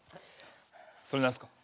それ何すか？